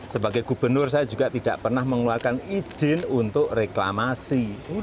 sebagai gubernur saya juga tidak pernah mengeluarkan izin untuk reklamasi